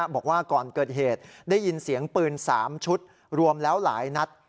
บอกว่าก่อนเกิดเหตุได้ยินเสียงปืน๓ชุดรวมแล้วหลายนัด